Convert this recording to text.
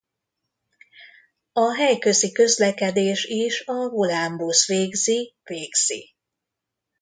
A helyközi közlekedés is a Volánbusz végzi végzi.